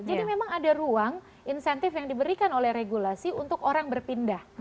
jadi memang ada ruang insentif yang diberikan oleh regulasi untuk orang berpindah